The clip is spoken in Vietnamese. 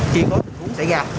khi có tình huống xảy ra